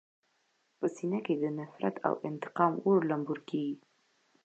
په سینه کې د نفرت او انتقام اور لمبور کېږي.